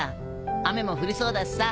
雨も降りそうだしさ。